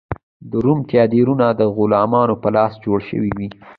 د روم تیاترونه د غلامانو په لاس جوړ شوي و.